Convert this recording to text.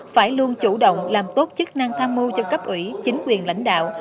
phải luôn chủ động làm tốt chức năng tham mưu cho cấp ủy chính quyền lãnh đạo